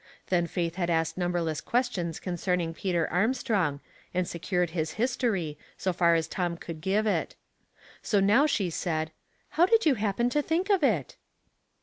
Then Faith had asked numberless questions concern ing Peter Armstrong, and secured his history, so far as Tom could give it. So now she said, *' how did you happen to think of it